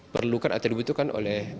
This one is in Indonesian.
terlukan atau dibutuhkan oleh